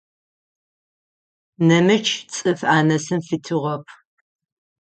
Нэмыкӏ цӏыф анэсын фитыгъэп.